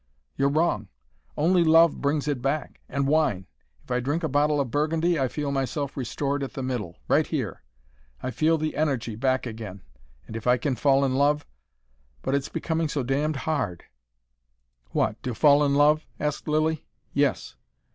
"You're wrong. Only love brings it back and wine. If I drink a bottle of Burgundy I feel myself restored at the middle right here! I feel the energy back again. And if I can fall in love But it's becoming so damned hard " "What, to fall in love?" asked Lilly. "Yes."